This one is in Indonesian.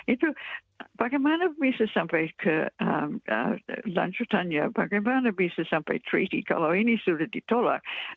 itu bagaimana bisa sampai ke lancar tanja bagaimana bisa sampai treaty kalau ini sudah ditolak